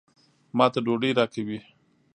ما ته ډوډۍ راکوي.